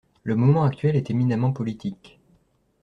Le moment actuel est éminemment politique.